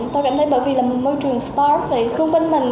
tôi cảm thấy bởi vì là một môi trường start up thì xung quanh mình